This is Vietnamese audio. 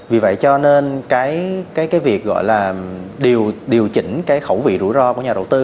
vì vậy cho nên cái việc gọi là điều chỉnh cái khẩu vị rủi ro của nhà đầu tư